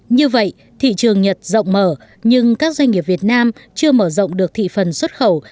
như vậy thị trường nhật rộng mở nhưng các doanh nghiệp việt nam chưa mở rộng được thị phần xuất khẩu